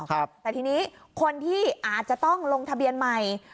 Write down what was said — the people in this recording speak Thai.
แต่ทีนี้คนที่อาจจะต้องลงทะเบียนใหม่